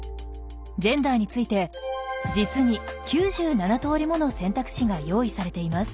ジェンダーについて実に９７通りもの選択肢が用意されています。